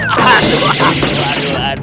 aduh aduh aduh